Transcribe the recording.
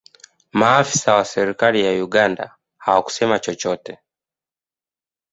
maafisa wa serikali ya uganda hawakusema chochote